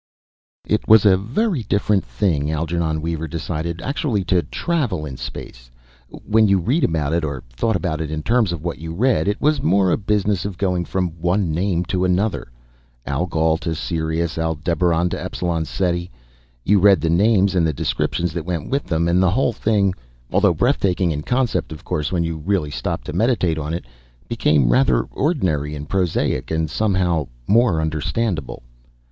It was a very different thing, Algernon Weaver decided, actually to travel in space. When you read about it, or thought about it in terms of what you read, it was more a business of going from one name to another. Algol to Sirius. Aldebaran to Epsilon Ceti. You read the names, and the descriptions that went with them, and the whole thing although breathtaking in concept, of course, when you really stopped to meditate on it became rather ordinary and prosaic and somehow more understandable.